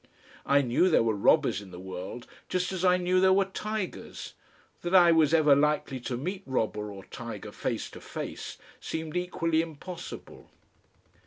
I knew there were robbers in the world, just as I knew there were tigers; that I was ever likely to meet robber or tiger face to face seemed equally impossible.